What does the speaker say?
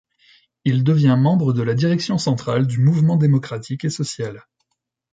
Il devient membre de la direction centrale du Mouvement démocratique et social.